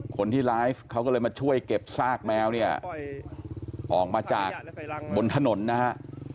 คนที่ไลฟ์เขาก็เลยมาช่วยเก็บซากแมวเนี่ยออกมาจากบนถนนนะฮะ